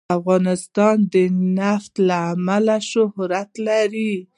افغانستان د نفت له امله شهرت لري.